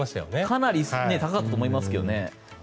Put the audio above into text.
かなり高かったと思いますけどね。